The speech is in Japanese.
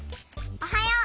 おはよう。